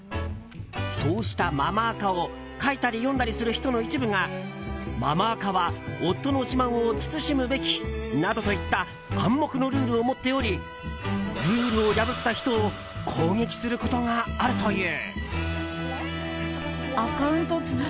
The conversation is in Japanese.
そうしたママ垢を書いたり読んだりする人の一部がママ垢は夫の自慢を慎むべきなどといった暗黙のルールを持っておりルールを破った人を攻撃することがあるという。